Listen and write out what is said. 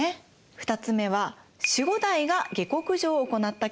２つ目は守護代が下剋上を行ったケース。